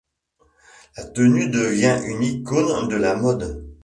La tenue devient une icône de la mode.